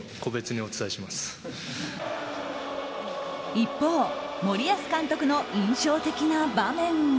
一方、森保監督の印象的な場面は。